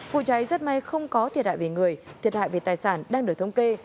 vụ cháy rất may không có thiệt hại về người thiệt hại về tài sản đang được thống kê